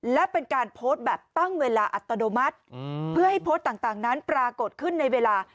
และเป็นการโพสต์แบบตั้งเวลาอัตโนมัติเพื่อให้โพสต์ต่างนั้นปรากฏขึ้นในเวลา